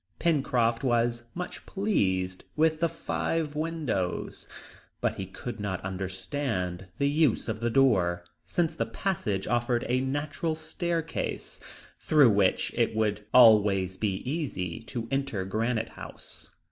Pencroft was much pleased with the five windows, but he could not understand the use of the door, since the passage offered a natural staircase, through which it would always be easy to enter Granite House.